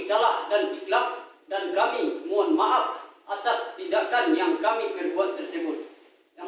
salah dan ikhlas dan kami mohon maaf atas tindakan yang kami berbuat tersebut yang